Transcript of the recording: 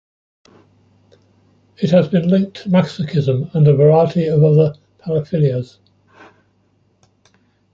It has been linked to masochism and a variety of other paraphilias.